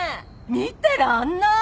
見てらんない。